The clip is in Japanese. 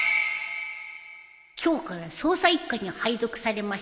今日から捜査一課に配属されました